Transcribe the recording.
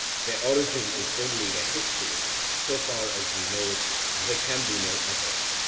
Their origin is only their history, so far as we know it; there can be no other.